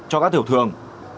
cho các thiểu thường